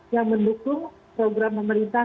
yang mendukung program pemerintah